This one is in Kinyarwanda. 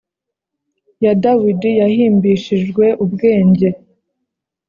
Ya dawidi yahimbishijwe ubwenge